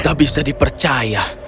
tak bisa dipercaya